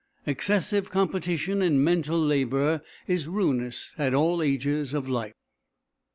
Excessive competition in mental labour is ruinous at all ages of life.